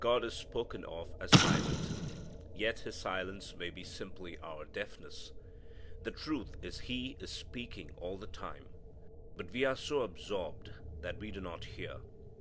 God is spoken of as silent. Yet His silence may be simply our deafness. The truth is He is speaking all the time, but we are so absorbed that we do not hear.